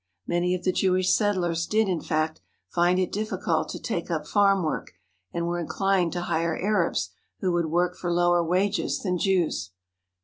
Many of the Jewish settlers did, in fact, find it difficult to take up farm work, and were in clined to hire Arabs who would work for lower wages than Jews.